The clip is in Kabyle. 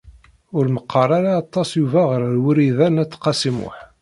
Ur meqqer ara aṭas Yuba ɣef Wrida n At Qasi Muḥ.